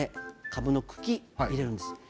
かぶの茎を入れるんです。